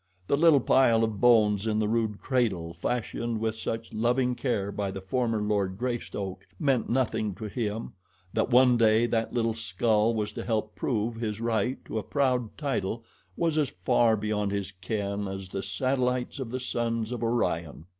The little pile of bones in the rude cradle, fashioned with such loving care by the former Lord Greystoke, meant nothing to him that one day that little skull was to help prove his right to a proud title was as far beyond his ken as the satellites of the suns of Orion.